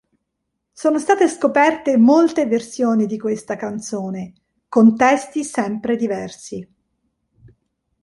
Sono state scoperte molte versioni di questa canzone, con testi sempre diversi.